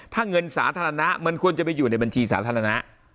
ถ้าเงินสาธารณะมันควรจะไปอยู่ในบัญชีสาธารณะ